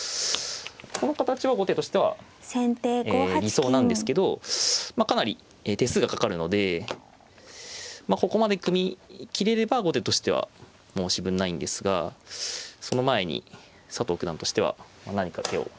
この形は後手としては理想なんですけどかなり手数がかかるのでここまで組みきれれば後手としては申し分ないんですがその前に佐藤九段としては何か手を。